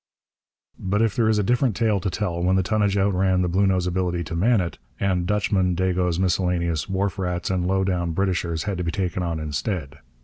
But there is a different tale to tell when the tonnage outran the Bluenose ability to man it, and Dutchmen, Dagos, miscellaneous wharf rats, and 'low down' Britishers had to be taken on instead.